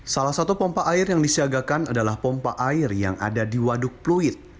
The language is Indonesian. salah satu pompa air yang disiagakan adalah pompa air yang ada di waduk pluit